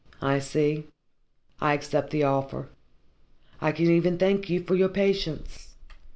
I see. I accept the offer. I can even thank you for your patience.